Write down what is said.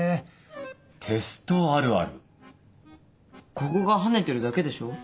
ここがハネてるだけでしょ。